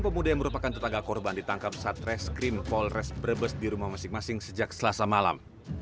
pemuda yang merupakan tetangga korban ditangkap saat reskrim polres brebes di rumah masing masing sejak selasa malam